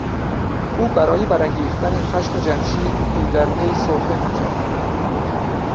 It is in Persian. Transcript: او برای برانگیختن خشم جمشید پیدرپی سرفه میکرد.